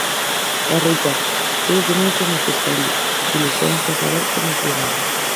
E reitero, tres denuncias na Fiscalía, dilixencias abertas no xulgado.